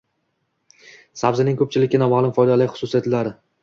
Sabzining ko‘pchilikka noma’lum foydali xususiyatlari